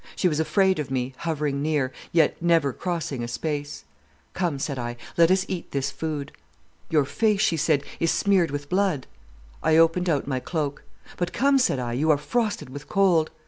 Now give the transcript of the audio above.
She was afraid of me, hovering near, yet never crossing a space. "'Come,' said I, 'let us eat this food.' "'Your face,' she said, 'is smeared with blood.' "I opened out my cloak. "'But come,' said I, 'you are frosted with cold.